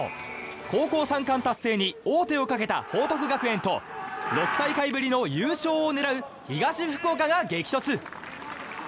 高校三冠達成に王手をかけた報徳学園と６大会ぶりの優勝を狙う東福岡が激突。